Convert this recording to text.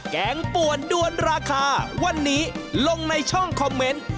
แกงป่วนด้วนราคาวันนี้ลงในช่องคอมเมนต์